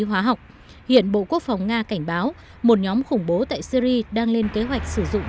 hóa học hiện bộ quốc phòng nga cảnh báo một nhóm khủng bố tại syri đang lên kế hoạch sử dụng